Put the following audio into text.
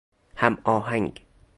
هم آهنگ